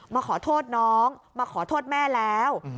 มาขอโทษน้องมาขอโทษแม่แล้ว